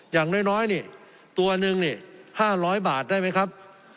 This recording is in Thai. อย่างน้อยนี่ตัวหนึ่งนี่๕๐๐บาทได้ไหมครับ